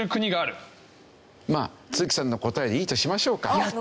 まあ都築さんの答えでいいとしましょうか。